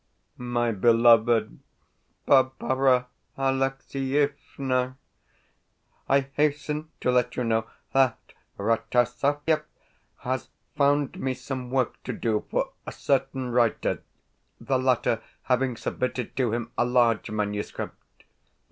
MY BELOVED BARBARA ALEXIEVNA, I hasten to let you know that Rataziaev has found me some work to do for a certain writer the latter having submitted to him a large manuscript.